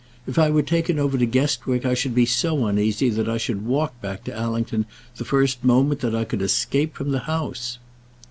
"If I were taken over to Guestwick, I should be so uneasy that I should walk back to Allington the first moment that I could escape from the house."